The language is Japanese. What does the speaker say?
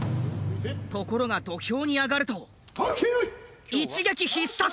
ところが土俵に上がると一撃必殺！